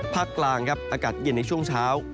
กลางครับอากาศเย็นในช่วงเช้า